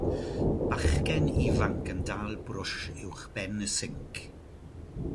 Bachgen ifanc yn dal brwsh uwchben y sinc.